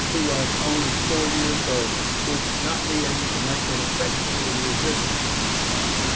who was only four years old, would not be able to make an effectual resistance.